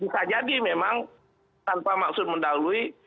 bisa jadi memang tanpa maksud mendahului